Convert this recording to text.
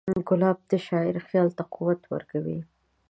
ګلاب د شاعر خیال ته قوت ورکوي.